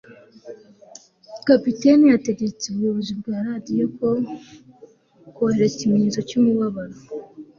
kapiteni wubwato yategetse umuyobozi wa radio kohereza ikimenyetso cyumubabaro